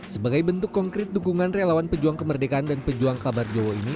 sebagai bentuk konkret dukungan relawan pejuang kemerdekaan dan pejuang kabar jowo ini